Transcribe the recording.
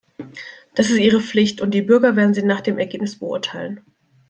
Das ist ihre Pflicht, und die Bürger werden sie nach dem Ergebnis beurteilen.